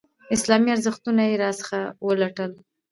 اسلامي ارزښتونه یې راڅخه ولوټل.